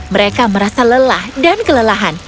mereka merasa lelah dan kelelahan